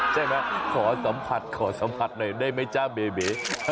ใช่ไหมขอสัมผัสขอสัมผัสหน่อยได้ไหมจ๊ะเบบี